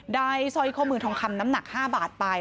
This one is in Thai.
สร้อยข้อมือทองคำน้ำหนัก๕บาทไป